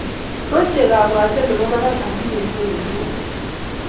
mochei kabwatet nebo barak asikenyoru kutit